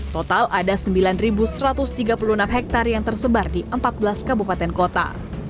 total ada sembilan satu ratus tiga puluh enam hektare yang tersebar di empat belas kabupaten kota